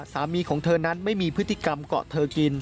สามีของเธอนั้นไม่มีพฤติกรรมเกาะเธอกิน